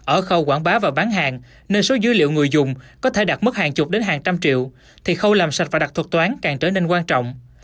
ở khâu quảng bá và bán hàng nên số dữ liệu người dùng có thể đạt mức hàng chục đến hàng trăm triệu thì khâu làm sạch và đặt thuật toán càng trở nên quan trọng